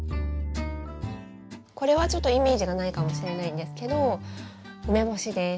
これはちょっとイメージがないかもしれないんですけど梅干しです。